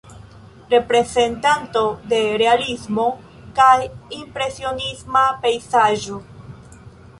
Reprezentanto de realismo kaj impresionisma pejzaĝo.